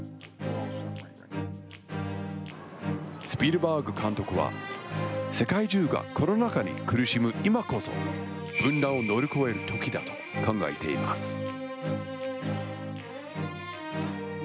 スピルバーグ監督は、世界中がコロナ禍に苦しむ今こそ、分断を乗り越えるときだと考えています。